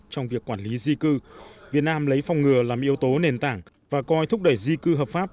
trong việc quản lý di cư việt nam lấy phòng ngừa làm yếu tố nền tảng và coi thúc đẩy di cư hợp pháp